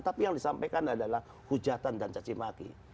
tapi yang disampaikan adalah hujatan dan cacimaki